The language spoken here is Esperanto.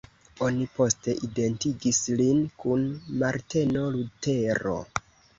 Oni poste identigis lin kun Marteno Lutero.